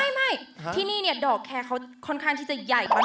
ไม่ที่นี่เนี่ยดอกแคร์เขาค่อนข้างที่จะใหญ่มาก